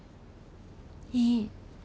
いい。